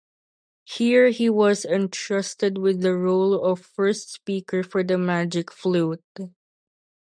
Here he was entrusted with the role of First Speaker for "The Magic Flute".